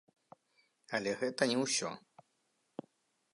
Але гэта не ўсё!